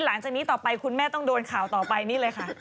หลังจากนี้ต่อไปคุณแม่ต้องโดนข่าวต่อไปนี่เลยค่ะ